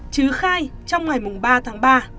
trứ khai trong ngày ba tháng ba